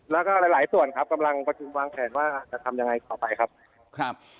แล้วก็หลายส่วนครับกำลังวางแผนว่าจะทำยังไงต่อไปครับ